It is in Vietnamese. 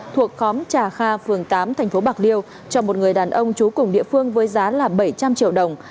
thuộc khóm trà kha phường tám thành phố bạc liêu cho một người đàn ông chú cùng địa phương với giá là bảy trăm linh triệu đồng